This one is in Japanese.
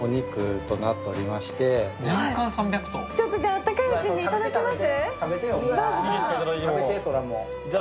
温かいうちにいただきます？